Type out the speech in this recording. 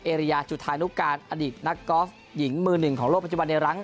อีเรียจุดธานุการอดีตกฎาหญิงมือ๑ของโลกปัจจุบันในรั้ง